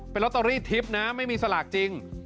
เป็นลอตเตอรี่ทิพย์นะไม่มีสลากจริง